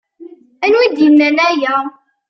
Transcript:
Anwa i d-yennan aya?